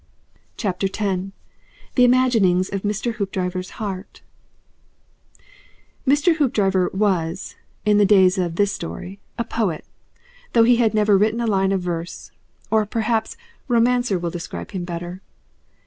X. THE IMAGININGS OF MR. HOOPDRIVER'S HEART Mr. Hoopdriver was (in the days of this story) a poet, though he had never written a line of verse. Or perhaps romancer will describe him better.